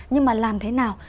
nhưng mà làm thế nào